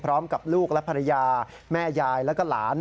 พร้อมกับลูกและภรรยาแม่ยายแล้วก็หลาน